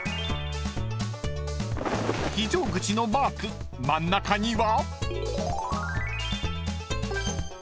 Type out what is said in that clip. ［非常口のマーク真ん中には］